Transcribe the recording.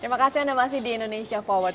terima kasih anda masih di indonesia forward